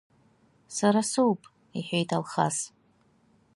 Сара соуп, — иҳәеит Алхас.